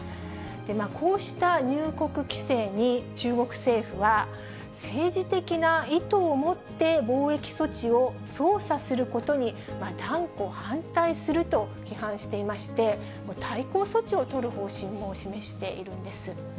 こうした入国規制に中国政府は、政治的な意図をもって防疫措置を操作することに断固反対すると批判していまして、対抗措置を取る方針も示しているんです。